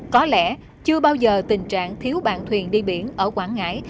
có lẽ chưa bao giờ tình trạng thiếu bạn thuyền đi biển ở quảng ngãi